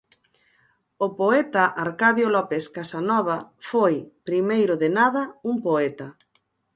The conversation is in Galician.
O poeta Arcadio López Casanova foi, primeiro de nada, un poeta.